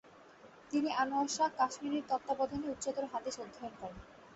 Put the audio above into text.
তিনি আনোয়ার শাহ কাশ্মীরির তত্ত্বাবধানে উচ্চতর হাদিস অধ্যয়ন করেন।